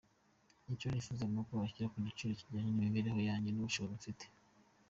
Icyo nifuza ni uko banshyira mu cyiciro kijyanye n’imibereho yanjye n’ubushobozi mfite”.